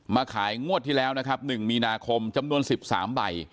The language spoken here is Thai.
ขายงวดที่แล้วนะครับ๑มีนาคมจำนวน๑๓ใบ